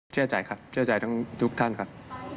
เชื่อใจครับเชื่อใจทุกท่านครับ